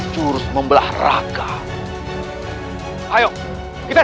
juru apa yang digunakan radenna